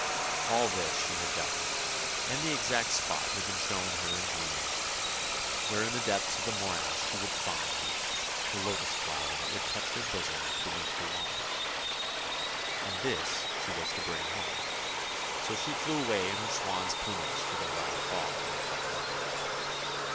All this she had done, and the exact spot had been shown her in dreams where in the depths of the morass she would find the 286 ANDERSEN'S FAIRY TALES lotus flower that would touch her bosom beneath the water. And this she was to bring home. So she flew away in her swan's plumage to the Wild Bog in the far north.